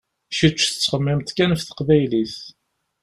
Kečč tettxemmimeḍ kan ɣef teqbaylit.